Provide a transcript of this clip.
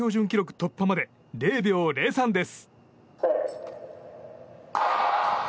突破まで０秒０３です。